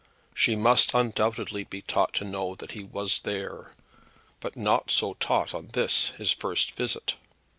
She must undoubtedly be taught to know that he was there, but not so taught on this, his first visit.